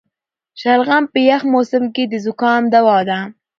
شلغم په یخ موسم کې د زکام دوا ده.